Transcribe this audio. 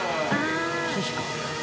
寿司か。